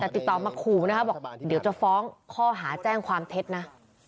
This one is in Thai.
ติดต่อมาครูนะครับเดี๋ยวจะฟ้องข้อหาแจ้งความเท็จนะ